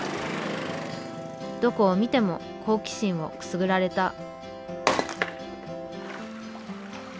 どこを見ても好奇心をくすぐられた。